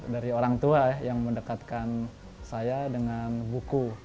dari orang tua yang mendekatkan saya dengan buku